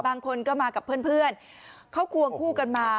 บางคนก็มากับเพื่อนเขาควงคู่กันมา